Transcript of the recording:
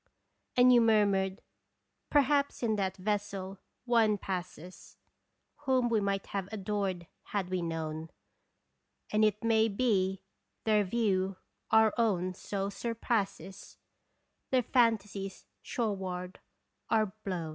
And you murmured, " Perhaps in that vessel one passes Whom we might have adored had we known ; And it may be their view our own so surpasses Their fantasies shoreward are blown."